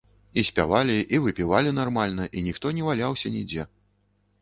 І спявалі, і выпівалі нармальна, і ніхто не валяўся нідзе.